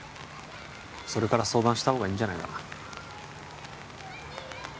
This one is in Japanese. それから相談したほうがいいんじゃないかな